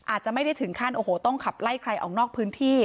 อาจจะไม่ได้ถึงขั้นโอ้โหต้องขับไล่ใครออกนอกพื้นที่